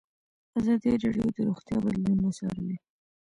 ازادي راډیو د روغتیا بدلونونه څارلي.